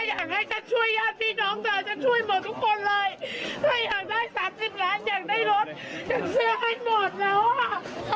อยากให้ฉันช่วยญาติพี่น้องเราจะช่วยหมดทุกคนเลยถ้าอยากได้สามสิบล้านอยากได้รถฉันเชื่อให้หมดแล้วอ่ะ